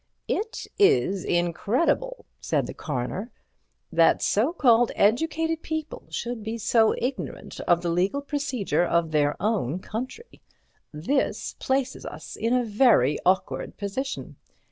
"It is incredible," said the Coroner, "that so called educated people should be so ignorant of the legal procedure of their own country. This places us in a very awkward position.